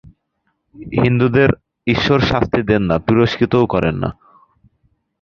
হিন্দুদের ঈশ্বর শাস্তি দেন না, পুরস্কৃতও করেন না।